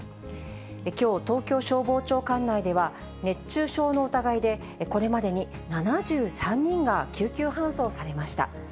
きょう、東京消防庁管内では、熱中症の疑いでこれまでに７３人が救急搬送されました。